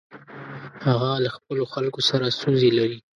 هغه له خپلو خلکو سره ستونزې لري.